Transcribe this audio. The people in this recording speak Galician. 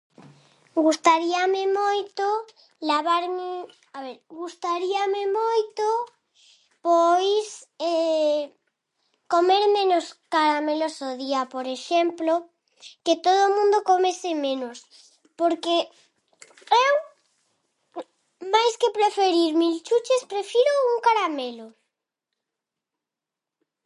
Gustaríame moito lavarme, a ver, gustaríame moito, pois, comer menos caramelos ao día, por exemplo, que todo o mundo comese menos porque eu máis que preferir mil chuches prefiro un caramelo.